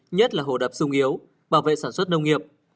nhất là hồ đập sung yếu bảo vệ sản xuất nông nghiệp